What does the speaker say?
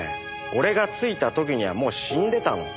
俺が着いた時にはもう死んでたの。